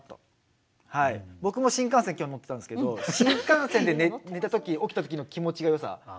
僕も新幹線、乗ってたんですけど新幹線で寝た時起きた時の気持ちのよさ。